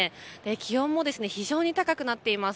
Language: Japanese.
気温も非常に高くなっています。